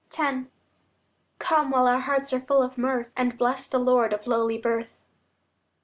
X Come while our hearts are full of mirth And bless the Lord of lowly birth.